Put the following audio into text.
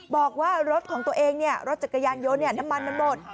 บอกว่ารถของตัวเองรถจักรยานยนต์น้ำมันมันหมด